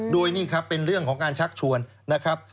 โดยนี่ครับเป็นเรื่องของการชักชวนนะครับ